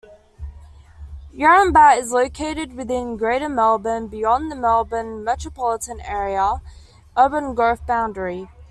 Yarrambat is located within Greater Melbourne, beyond the Melbourne metropolitan area Urban Growth Boundary.